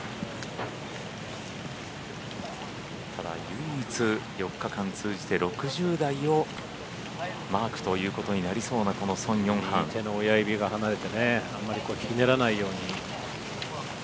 唯一４日間通じて６０台をマークということになりそうな右手の親指が離れてねあんまりひねらないように。